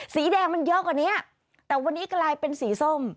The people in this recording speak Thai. สีแดงมันเยอะกว่านี้แต่วันนี้กลายเป็นสีส้ม